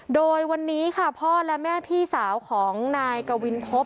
โดยวันนี้ค่ะพ่อและแม่พี่สาวของนายกวินพบ